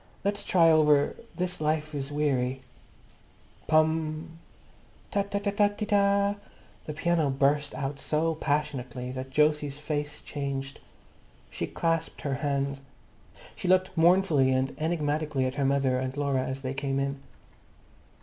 Let's try over 'This life is Weary.'" Pom! Ta ta ta Tee ta! The piano burst out so passionately that Jose's face changed. She clasped her hands. She looked mournfully and enigmatically at her mother and Laura as they came in.